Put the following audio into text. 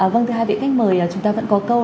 vâng thưa hai vị khách mời chúng ta vẫn có câu